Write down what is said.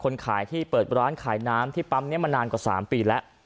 คนขายที่เปิดร้านขายน้ำที่ปั๊มนี้มานานกว่า๓ปีแล้ว